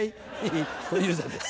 小遊三です。